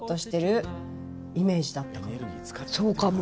そうかも。